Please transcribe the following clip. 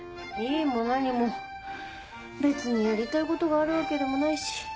いいも何も別にやりたいことがあるわけでもないし。